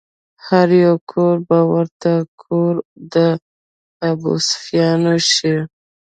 هر يو کور به ورته کور د ابوسفيان شي